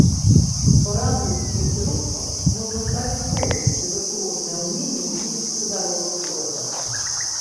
Баранавіцкім кіроўцам можна ставіць помнік за віртуознае ўменне ездзіць па дарогах горада!